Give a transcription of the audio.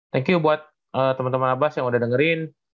thank you buat temen temen abbas yang udah dengerin